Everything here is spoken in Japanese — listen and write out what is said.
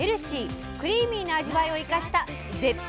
クリーミーな味わいを生かした絶品！